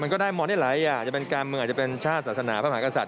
มันก็ได้มองได้หลายจะเป็นการเมืองจะเป็นชาติศาสนาภาพหากศาสตร์